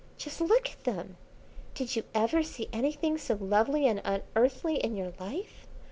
Just look at them! Did you ever see anything so lovely and unearthly in your life?